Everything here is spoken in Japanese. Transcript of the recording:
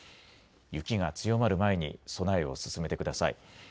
雪が強まる前に備えを進めてください。